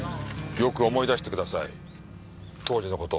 よく思い出してください当時の事を。